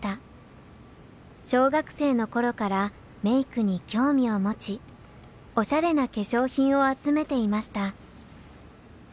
小学生の頃からメイクに興味を持ちおしゃれな化粧品を集めていました。